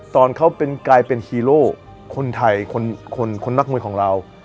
ตอนเขากลายเป็นฮีโร่คนไทยคนนักมวยของเรา